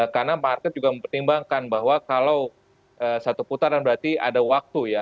karena market juga mempertimbangkan bahwa kalau satu putaran berarti ada waktu ya